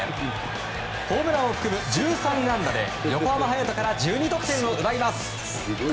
ホームランを含む１３安打で横浜隼人から１２得点を奪います。